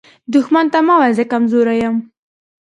دښمن ته مه وایه “زه کمزوری یم”